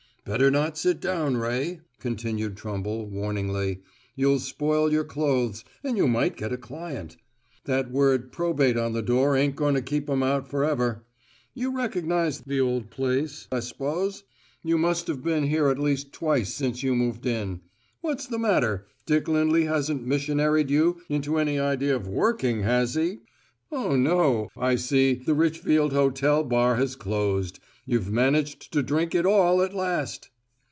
"Better not sit down, Ray," continued Trumble, warningly. "You'll spoil your clothes and you might get a client. That word `Probate' on the door ain't going to keep 'em out forever. You recognize the old place, I s'pose? You must have been here at least twice since you moved in. What's the matter? Dick Lindley hasn't missionaried you into any idea of working, has he? Oh, no, I see: the Richfield Hotel bar has closed you've managed to drink it all at last!"